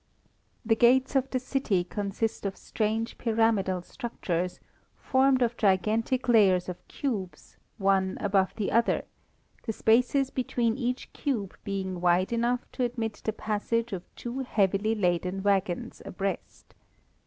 The gates of the city consist of strange pyramidal structures formed of gigantic layers of cubes, one above the other, the spaces between each cube being wide enough to admit the passage of two heavily laden waggons abreast.